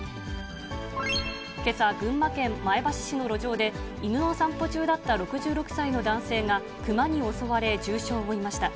けさ、群馬県前橋市の路上で犬の散歩中だった６６歳の男性が、クマに襲われ重傷を負いました。